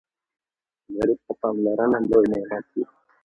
غریب ته پاملرنه لوی نعمت وي